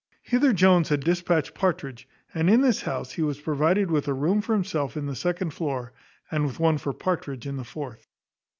Hither Jones had despatched Partridge, and in this house he was provided with a room for himself in the second floor, and with one for Partridge in the fourth.